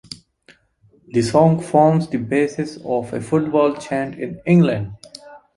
The song forms the basis of a football chant in England.